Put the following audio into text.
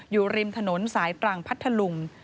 อยู่ริมถนนสายตรังพัทธลุง